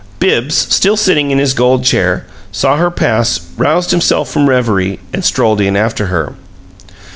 Bibbs, still sitting in his gold chair, saw her pass, roused himself from reverie, and strolled in after her.